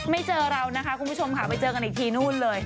เจอเรานะคะคุณผู้ชมค่ะไปเจอกันอีกทีนู่นเลย